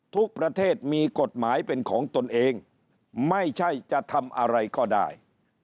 ทุกประเทศมีกฎหมายเป็นของตนเองไม่ใช่จะทำอะไรก็ได้